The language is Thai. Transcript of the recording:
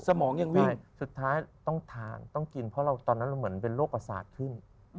สมองยังวิ่งสุดท้ายต้องทานต้องกินเพราะตอนนั้นเราเหมือนเป็นโรคประสาทขึ้น